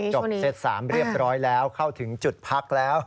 เซต๓เรียบร้อยแล้วเข้าถึงจุดพักแล้ว